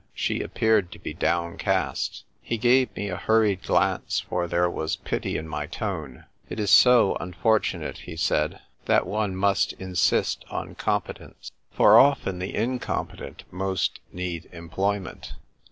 " She appeared to be downcast." He gave me a hurried glance, for there was pity in my tone. " It is so unfortunate," he said, " that one must insist on competence ! A SAIL ON THE HORIZON. 121 For often the incompetent most need em ployment."